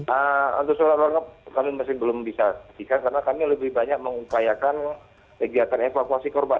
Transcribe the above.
eee untuk surat suratnya kami masih belum bisa cek karena kami lebih banyak mengupayakan kegiatan evakuasi korban